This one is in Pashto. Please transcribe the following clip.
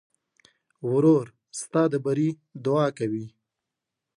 ورور ستا د بري دعا کوي.